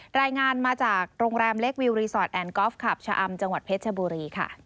รายงานมาจากโรงแรมเล็กวิวรีสอร์ทแอนกอล์ฟคลับชะอำจังหวัดเพชรชบุรีค่ะ